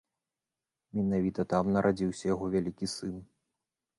Менавіта там нарадзіўся яго вялікі сын.